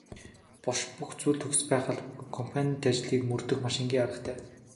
Буш бүх зүйл нь төгс байх албагүй компанит ажлыг мөрдөх маш энгийн аргатай.